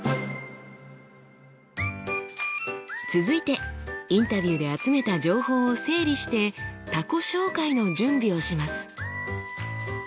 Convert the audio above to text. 続いてインタビューで集めた情報を整理して他己紹介の準備をします。